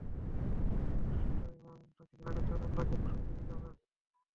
মেসির মানুষটাই এমন, তাঁকে ঘৃণা করতে হলে আপনাকে পাষাণ হৃদয়ের হতে হবে।